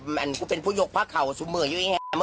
มันเป็นผู้โยคพระเขาเยอะอยู่อย่างนี้